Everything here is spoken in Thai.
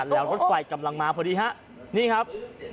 แล้วรถไฟกำลังมาพอดีฮะนี่ครับ